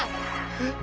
えっ？